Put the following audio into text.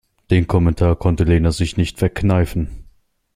Den Kommentar konnte Lena sich nicht verkneifen.